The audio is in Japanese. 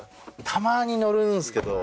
たまに乗るんすけど。